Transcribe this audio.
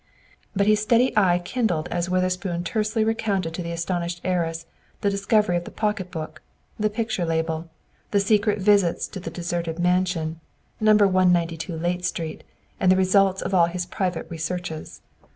But his steady eye kindled as Witherspoon tersely recounted to the astonished heiress the discovery of the pocketbook, the picture label, the secret visits to the deserted mansion, No. 192 Layte Street, and the results of all his private researches.